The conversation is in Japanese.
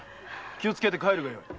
気をつけて帰るがよい。